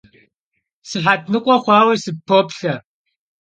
Sıhet nıkhue xhuaue sıppoplhe.